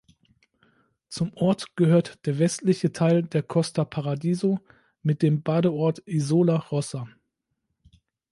Zum Ort gehört der westliche Teil der Costa Paradiso mit dem Badeort Isola Rossa.